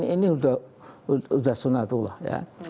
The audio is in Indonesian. ini sudah sunatullah ya